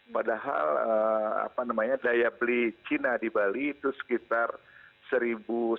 padahal apa namanya daya beli cina di bali itu sekitar satu seratus rias dolar